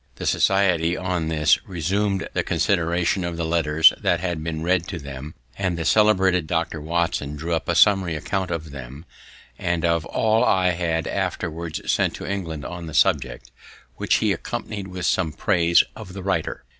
The society, on this, resum'd the consideration of the letters that had been read to them; and the celebrated Dr. Watson drew up a summary account of them, and of all I had afterwards sent to England on the subject, which he accompanied with some praise of the writer.